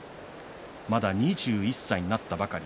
まだ２１歳になったばかり。